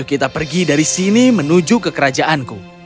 ayo kita pergi dari sini menuju ke kerajaanku